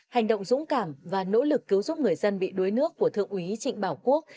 hành động dũng cảm và nỗ lực cứu giúp người dân bị đuối nước của thượng úy trịnh bảo quốc